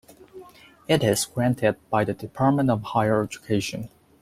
It is granted by the Department of Higher Education.